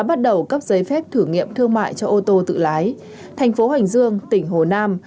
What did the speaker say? bắt đầu cấp giấy phép thử nghiệm thương mại cho ô tô tự lái thành phố hoành dương tỉnh hồ nam